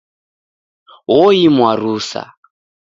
Oimwa rusa.